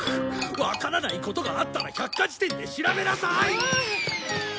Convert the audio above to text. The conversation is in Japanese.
わからないことがあったら百科事典で調べなさい！